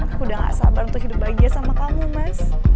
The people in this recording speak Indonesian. aku udah gak sabar untuk hidup bahagia sama kamu mas